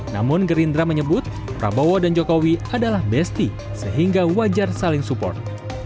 namun gerindra menyebut prabowo dan jokowi adalah besti sehingga wajar saling support